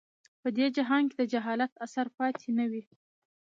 په دې جهان کې د جاهلیت اثر پاتې نه وي.